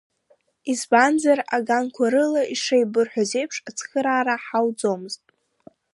Избанзар, аганқәа рыла ишеибырҳәаз еиԥш ацхыраара ҳауӡомызт.